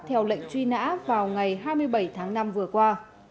theo lệnh truy nã vào ngày hai mươi bảy tháng năm vừa qua